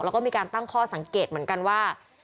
แล้วก็มีการตั้งข้อสังเกตเหมือนกันว่า